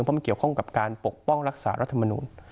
เพราะมันเกี่ยวข้องกับการปกป้องรักษารัฐมนูล